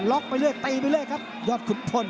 ไปเรื่อยตีไปเรื่อยครับยอดขุนพล